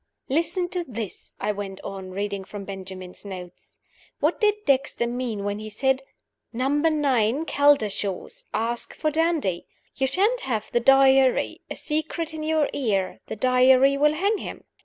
"Listen to this," I went on, reading from Benjamin's notes. "What did Dexter mean when he said, 'Number Nine, Caldershaws. Ask for Dandie. You shan't have the Diary. A secret in your ear. The Diary will hang him?